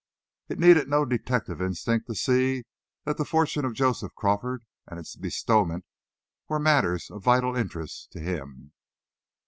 It needed no detective instinct to see that the fortune of Joseph Crawford and its bestowment were matters of vital interest to him.